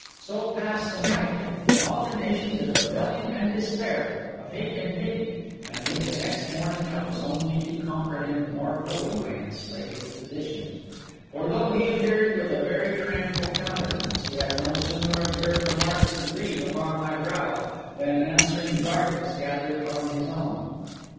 So passed the night, in alternations of rebellion and despair, of hate and pity; and with the next morning I was only to comprehend more fully my enslaved position. For though he appeared with a very tranquil countenance, he had no sooner observed the marks of grief upon my brow than an answering darkness gathered on his own.